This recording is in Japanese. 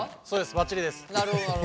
ばっちりです。